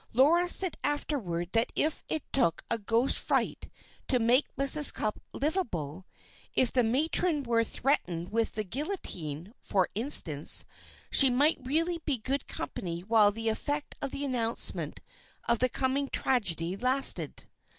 Laura said afterward that if it took a ghost fright to make Mrs. Cupp "livable," if the matron were threatened with the guillotine, for instance, she might really be good company while the effect of the announcement of the coming tragedy lasted.